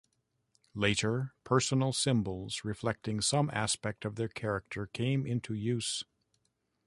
Later, personal symbols reflecting some aspect of their character came into use.